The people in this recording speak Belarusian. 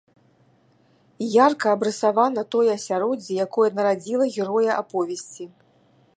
Ярка абрысавана тое асяроддзе, якое нарадзіла героя аповесці.